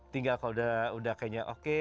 tinggal kalau udah kayaknya oke